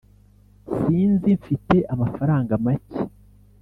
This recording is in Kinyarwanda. sinzi mfite amafaranga macye.